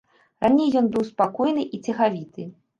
Раней ён быў спакойны і цягавіты.